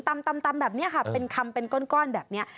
ตำแบบนี้ค่ะเป็นคำเป็นก้อนแบบนี้